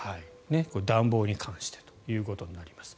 暖房に関してということになります。